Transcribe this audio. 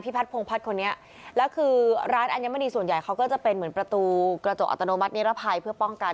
พัฒนพงพัฒน์คนนี้แล้วคือร้านอัญมณีส่วนใหญ่เขาก็จะเป็นเหมือนประตูกระจกอัตโนมัตินิรภัยเพื่อป้องกัน